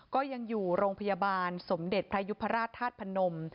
ก็ยังอยู่โรงพยาบาลสมเด็จพระยุพราชธาตุพนม